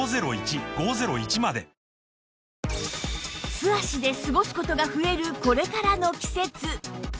素足で過ごす事が増えるこれからの季節